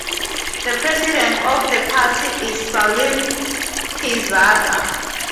The president of the party is Saleem Peerzada.